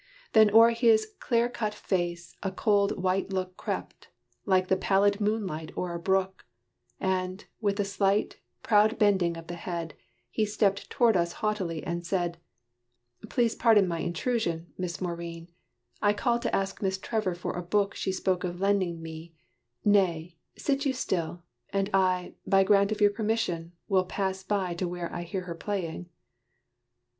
Then o'er his clear cut face, a cold white look Crept, like the pallid moonlight o'er a brook, And, with a slight, proud bending of the head, He stepped toward us haughtily and said, "Please pardon my intrusion, Miss Maurine: I called to ask Miss Trevor for a book She spoke of lending me: nay, sit you still! And I, by grant of your permission, will Pass by to where I hear her playing."